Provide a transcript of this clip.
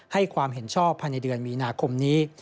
ให้ความเห็นชอบภายในเดือนมีนาคมนี้